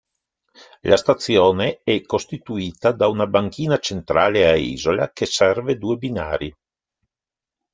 La stazione è costituita da una banchina centrale a isola che serve due binari.